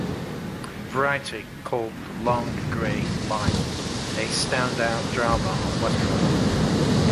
"Variety" called "The Long Gray Line" "..a standout drama on West Point".